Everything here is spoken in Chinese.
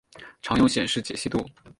常用显示解析度